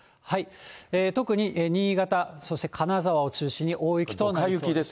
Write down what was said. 特に新潟、そして金沢を中心に大雪となりそうです。